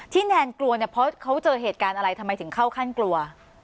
แนนกลัวเนี่ยเพราะเขาเจอเหตุการณ์อะไรทำไมถึงเข้าขั้นกลัว